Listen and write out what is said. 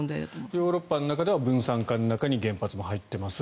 ヨーロッパの中では分散化の中に原発も入っています。